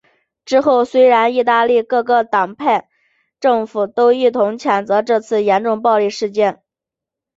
之后虽然意大利各个党派政府都一同谴责这次的严重暴力事件。